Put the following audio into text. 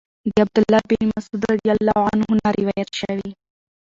د عبد الله بن مسعود رضی الله عنه نه روايت شوی